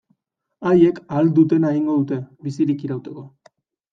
Haiek ahal dutena egingo dute bizirik irauteko.